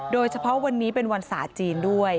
โดยเฉพาะวันนี้เป็นวันศาสตร์จีนด้วย